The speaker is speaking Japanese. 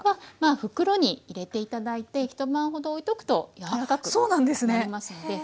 袋に入れて頂いて一晩ほどおいとくと柔らかくなりますので。